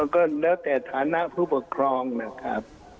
ก็แล้วแต่ฐานะผู้ปกครองนะครับ